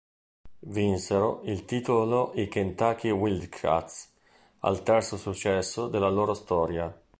Vinsero il titolo i Kentucky Wildcats, al terzo successo della loro storia.